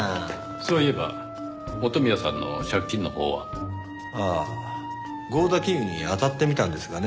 そういえば元宮さんの借金のほうは？ああ合田金融にあたってみたんですがね。